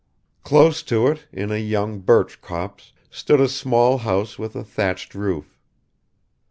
Close to it, in a young birch copse, stood a small house with a thatched roof.